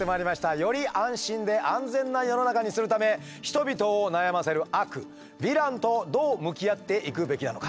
より安心で安全な世の中にするため人々を悩ませる悪ヴィランとどう向き合っていくべきなのか。